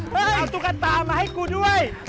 เพื่อเอาตุ๊กตามาให้กูด้วย